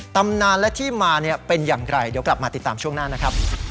ตำนานและที่มาเป็นอย่างไรเดี๋ยวกลับมาติดตามช่วงหน้านะครับ